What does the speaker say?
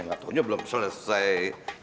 gak tau nya belum selesai